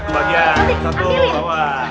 bagian satu bawah